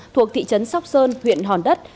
thuộc thị trấn sóc sơn huyện hòn đất